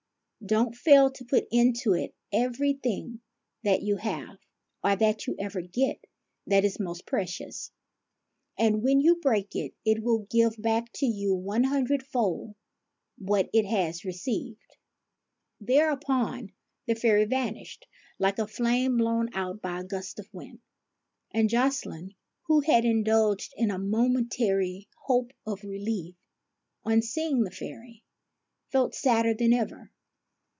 Don't fail to put into it everything that you have or that you ever get that is most precious ; and, when you break it, it will give back to you one hundred fold what it has received." Thereupon the fairy vanished like a flame blown out by a gust of wind; and Jocelyne, who had indulged in a momen tary hope of relief, on seeing the fairy, felt sadder than ever.